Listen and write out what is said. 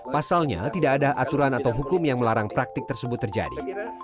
pasalnya tidak ada aturan atau hukum yang melarang praktik tersebut terjadi